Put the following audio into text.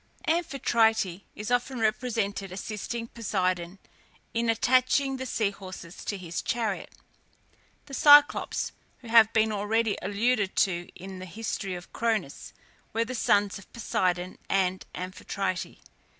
Amphitrite is often represented assisting Poseidon in attaching the sea horses to his chariot. The Cyclops, who have been already alluded to in the history of Cronus, were the sons of Poseidon and Amphitrite.